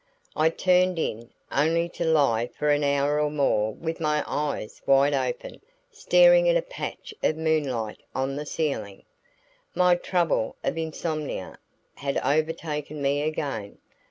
I turned in, only to lie for an hour or more with my eyes wide open staring at a patch of moonlight on the ceiling. My old trouble of insomnia had overtaken me again.